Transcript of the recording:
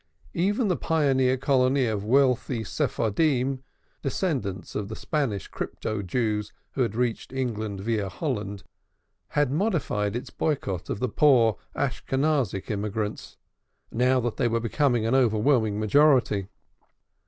Even the pioneer colony of wealthy Sephardim descendants of the Spanish crypto Jews who had reached England via Holland had modified its boycott of the poor Ashkenazic immigrants, now they were become an overwhelming majority.